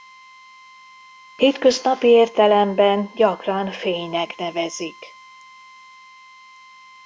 Hétköznapi értelemben gyakran fénynek nevezik.